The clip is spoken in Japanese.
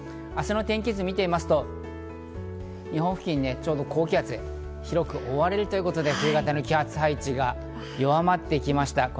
明日の天気図を見てみますと、日本付近、ちょうど高気圧に広く覆われるということで冬型の気圧配置が弱まってきました。